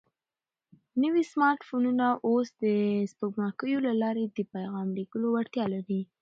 نوي سمارټ فونونه اوس د سپوږمکیو له لارې د پیغام لېږلو وړتیا لري.